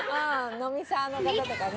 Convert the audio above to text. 飲みサーの方とかね。